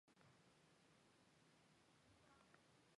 血型的遗传一般遵守孟德尔定律。